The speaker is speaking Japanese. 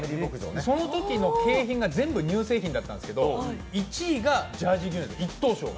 そのときの景品が全部、乳製品だったんですけど１位がジャージー牛乳。